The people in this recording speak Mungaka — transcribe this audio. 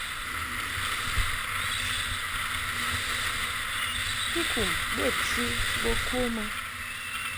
Tukum bə tɨ bo kom a .